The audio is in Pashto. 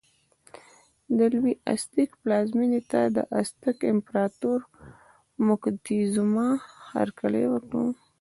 د لوی ازتېک پلازمېنې ته د ازتک امپراتور موکتیزوما هرکلی وکړ.